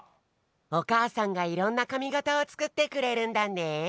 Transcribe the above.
おかあさんがいろんなかみがたをつくってくれるんだね。